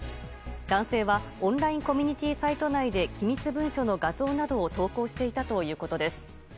男性はオンラインコミュニティーサイト内で機密文書の画像などを投稿していたということです。